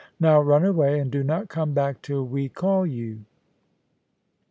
Now run away, and do not come back till we call you.'